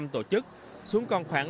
ba trăm linh tổ chức xuống còn khoảng